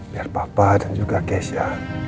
biar papa dan juga keisha